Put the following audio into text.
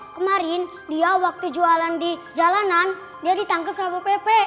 kemarin dia waktu jualan di jalanan dia ditangkap sama pp